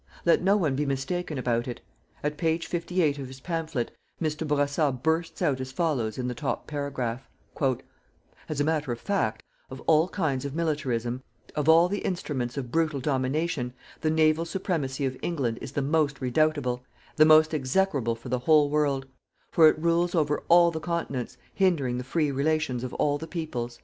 Let no one be mistaken about it. At page 58 of his pamphlet, Mr. Bourassa bursts out as follows in the top paragraph: "_As a matter of fact, of all kinds of militarism, of all the instruments of brutal domination, the naval supremacy of England is the most redoubtable, the most execrable for the whole world; for it rules over all the continents, hindering the free relations of all the peoples.